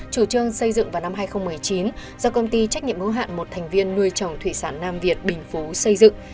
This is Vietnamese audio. chủ trương xây dựng vào năm hai nghìn một mươi chín do công ty trách nhiệm hữu hạn một thành viên nuôi trồng thủy sản nam việt bình phú xây dựng